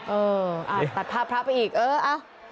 เอออ่าวตัดภาพอีกเอออ้าว